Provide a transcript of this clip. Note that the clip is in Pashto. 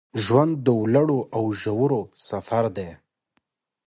ژوند د لوړو او ژورو سفر دی